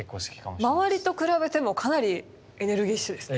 周りと比べてもかなりエネルギッシュですね。